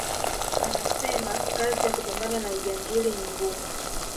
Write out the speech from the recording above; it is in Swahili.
Anasema kazi ya kupambana na ujangili ni ngumu